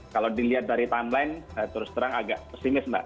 kalau dilihat dari timeline terus terang agak pesimis mbak